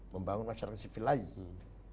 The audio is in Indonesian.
membangun masyarakat civilized